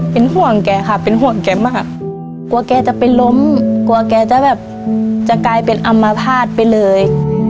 เป็นห่วงแกค่ะเป็นห่วงแกมากกลัวแกจะไปล้มกลัวแกจะแบบจะกลายเป็นอำมาภาษณ์ไปเลย